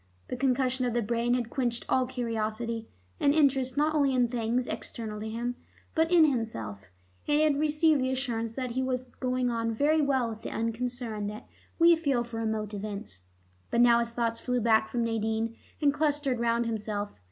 The concussion of the brain had quenched all curiosity, and interest not only in things external to him, but in himself, and he had received the assurance that he was going on very well with the unconcern that we feel for remote events. But now his thoughts flew back from Nadine and clustered round himself.